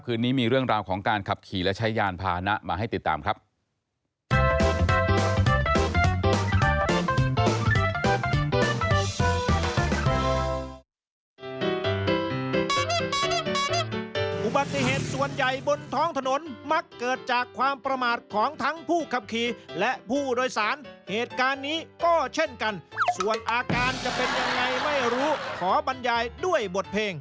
คืนนี้มีเรื่องราวของการขับขี่และใช้ยานพานะมาให้ติดตามครับ